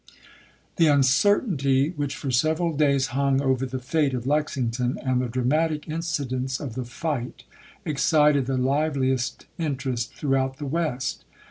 The uncertainty which for several days hung over the fate of Lexington, and the dramatic inci dents of the fight, excited the liveliest interest throughout the West.